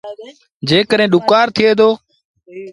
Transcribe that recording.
جيڪڏهيݩ ڏُڪآر ٿئي دو۔